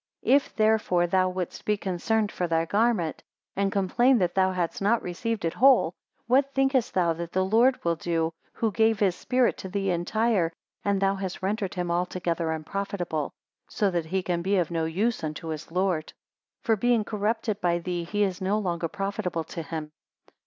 272 If therefore thou wouldst be concerned for thy garment, and complain that thou hadst not received it whole; what thinkest thou that the Lord will do, who gave his Spirit to thee entire, and thou hast rendered him altogether unprofitable, so that he can be of no use unto his Lord? For being corrupted by thee, he is no longer profitable to him.